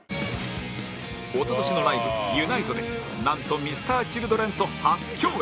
一昨年のライブ ＵＮＩＴＥ でなんと Ｍｒ．Ｃｈｉｌｄｒｅｎ と初共演